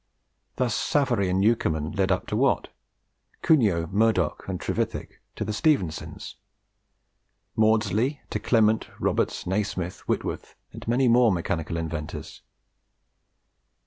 Thus Savary and Newcomen led up to Watt; Cugnot, Murdock, and Trevithick to the Stephensons; and Maudslay to Clement, Roberts, Nasmyth, Whitworth, and many more mechanical inventors.